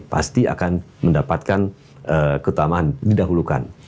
pasti akan mendapatkan keutamaan didahulukan